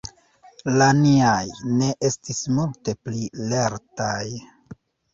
La niaj ne estis multe pli lertaj.